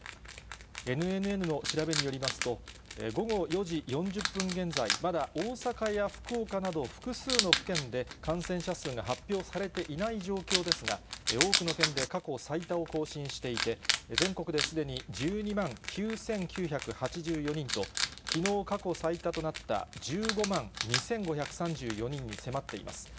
ＮＮＮの調べによりますと、午後４時４０分現在、まだ大阪や福岡など、複数の府県で感染者数が発表されていない状況ですが、多くの県で過去最多を更新していて、全国ですでに１２万９９８４人と、きのう過去最多となった１５万２５３４人に迫っています。